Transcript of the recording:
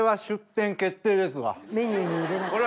メニューに入れなきゃ。